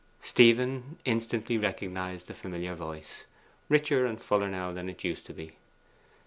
Stephen instantly recognised the familiar voice, richer and fuller now than it used to be.